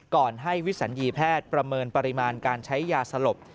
ก่อนให้วิสัญญีแพทย์ประเมินปริมาณการใช้ยาสลบ